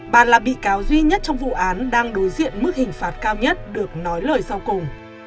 bà là bị cáo duy nhất trong vụ án đang đối diện mức hình phạt cao nhất được nói lời sau cùng